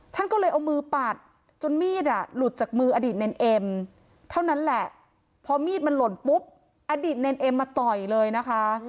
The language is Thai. ท่านก็เลยเอามือปัดจนมีดอ่ะหลุดจากมืออดีตเนรเอ็มเท่านั้นแหละพอมีดมันหล่นปุ๊บอดีตเนรเอ็มมาต่อยเลยนะคะ